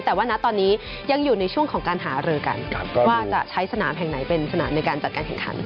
แต่ว่าณตอนนี้ยังอยู่ในช่วงของการหารือกันว่าจะใช้สนามแห่งไหนเป็นสนามในการจัดการแข่งขัน